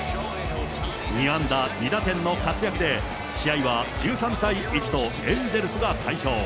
２安打２打点の活躍で、試合は１３対１と、エンゼルスが大勝。